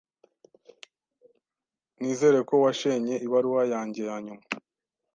Nizere ko washenye ibaruwa yanjye yanyuma.